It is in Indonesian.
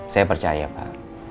saya percaya pak